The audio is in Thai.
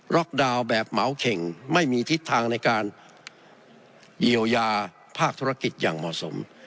ดาวน์แบบเหมาเข่งไม่มีทิศทางในการเยียวยาภาคธุรกิจอย่างเหมาะสม